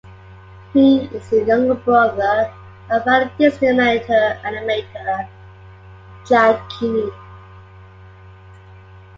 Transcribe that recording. Kinney is the younger brother of fellow Disney animator Jack Kinney.